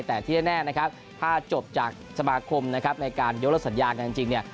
แต่ที่แน่นะครับถ้าจบจากสมาคมนะครับในการยกเลิกสัญญากันจริงเนี่ย